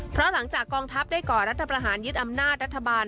เพราะหลังจากกองทัพได้ก่อรัฐประหารยึดอำนาจรัฐบาล